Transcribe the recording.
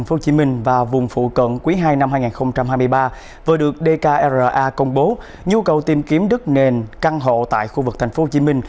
thị trường bất đồng sản nhà ở tp hcm và vùng phụ cận quý ii năm hai nghìn hai mươi ba vừa được dkra công bố nhu cầu tìm kiếm đất nền căn hộ tại khu vực tp hcm